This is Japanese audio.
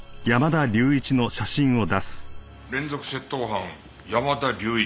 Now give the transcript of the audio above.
「連続窃盗犯山田隆一」